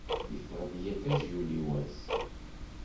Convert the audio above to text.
Yeffeɣ-d yiṭij, yuli wass.